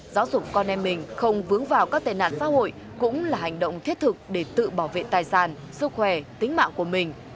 giáo dục con em mình không vướng vào các tệ nạn xã hội cũng là hành động thiết thực để tự bảo vệ tài sản sức khỏe tính mạng của mình